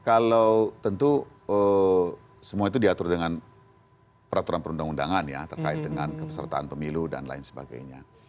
kalau tentu semua itu diatur dengan peraturan perundang undangan ya terkait dengan kepesertaan pemilu dan lain sebagainya